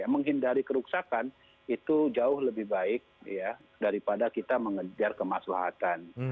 menghindari kerusakan itu jauh lebih baik daripada kita mengejar kemaslahatan